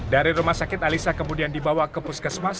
dari rumah sakit alisa kemudian dibawa ke puskesmas